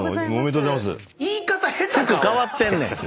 服変わってんねん。